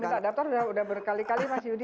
kalau diminta daftar sudah berkali kali mas yudi